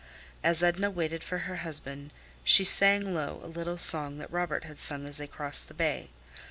As Edna waited for her husband she sang low a little song that Robert had sung as they crossed the bay.